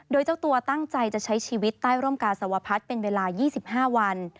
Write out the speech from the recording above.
โดยเจ้าตัวตั้งใจจะใช้ชีวิตใต้ร่มกาสวพัฒน์เป็นเวลา๒๕วัน